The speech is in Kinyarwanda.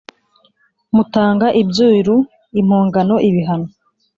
mutanga ibyiru (impongano, ibihano).